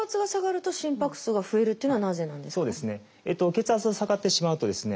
血圧が下がってしまうとですね